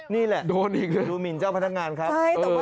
นี่แหละดูหมินเจ้าพนักงานครับโดนอีกเลย